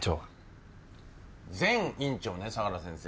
前院長ね相良先生。